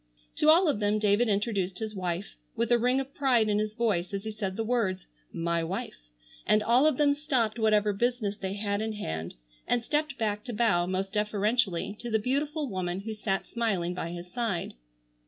To all of them David introduced his wife, with a ring of pride in his voice as he said the words "My wife," and all of them stopped whatever business they had in hand and stepped back to bow most deferentially to the beautiful woman who sat smiling by his side.